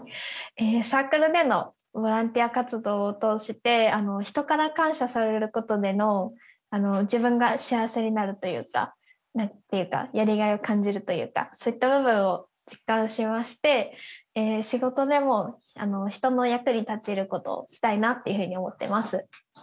サークルでのボランティア活動を通して人から感謝されることでの自分が幸せになるというか何て言うかやりがいを感じるというかそういった部分を実感しまして仕事でも人の役に立てることをしたいなっていうふうに思ってます。